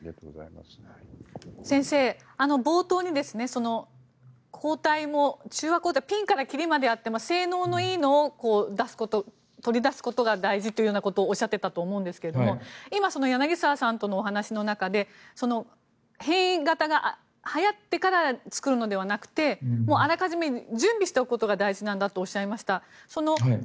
先生、冒頭に中和抗体はピンからキリまであって性能のいいものを取り出すことが大事だということをおっしゃっていたと思いますが今、柳澤さんとのお話の中で変異型がはやってから作るのではなくてあらかじめ準備しておくことが大事なんだとおっしゃいました。